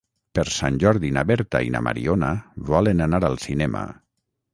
Per Sant Jordi na Berta i na Mariona volen anar al cinema.